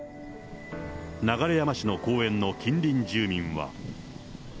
流山市の公園の近隣住民は。